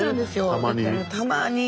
たまに。